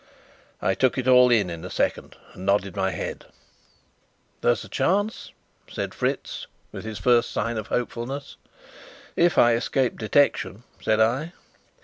I took it all in in a second, and nodded my head. "There's a chance," said Fritz, with his first sign of hopefulness. "If I escape detection," said I.